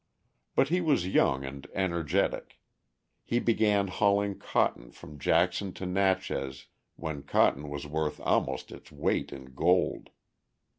But he was young and energetic; he began hauling cotton from Jackson to Natchez when cotton was worth almost its weight in gold.